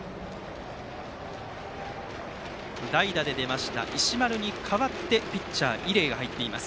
代打で出ました石丸に代わってピッチャー、伊禮が入っています。